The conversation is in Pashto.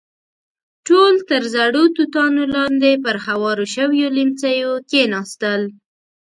ټول تر زړو توتانو لاندې پر هوارو شويو ليمڅيو کېناستل.